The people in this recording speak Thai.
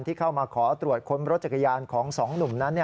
ที่เข้ามาขอตรวจค้นรถจักรยานของสองหนุ่มนั้น